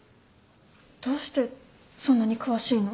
どうしてそんなに詳しいの？